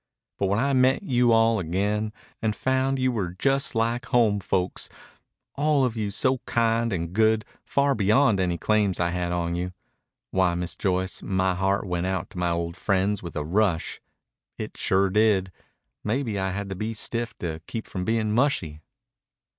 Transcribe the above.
But when I met you all again and found you were just like home folks all of you so kind and good, far beyond any claims I had on you why, Miss Joyce, my heart went out to my old friends with a rush. It sure did. Maybe I had to be stiff to keep from being mushy."